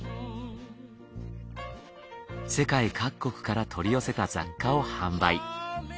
世界各国から取り寄せた雑貨を販売。